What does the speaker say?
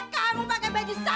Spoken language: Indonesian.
cantik kan ma